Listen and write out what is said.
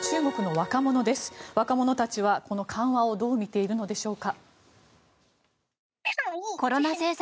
若者たちはこの緩和をどう見ているのでしょうか。